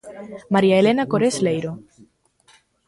María Elena Cores Leiro.